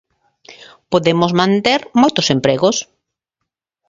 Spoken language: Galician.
Podemos manter moitos empregos.